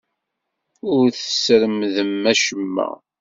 Ur tesremdem acemma.